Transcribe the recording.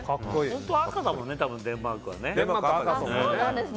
本当は赤だもんねデンマークは。